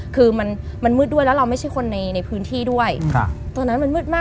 คือมันมันมืดด้วยแล้วเราไม่ใช่คนในพื้นที่ด้วยตอนนั้นมันมืดมาก